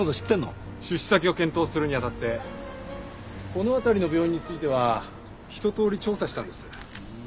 出資先を検討するに当たってこの辺りの病院については一通り調査したんです。